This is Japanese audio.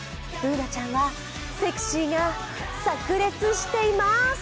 Ｂｏｏｎａちゃんはセクシーがさく裂しています。